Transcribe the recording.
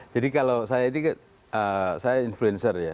jadi kalau saya itu saya influencer ya